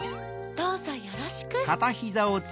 どうぞよろしく。